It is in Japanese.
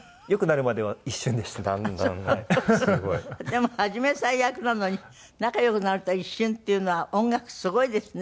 でも初め最悪なのに仲良くなると一瞬っていうのは音楽すごいですね。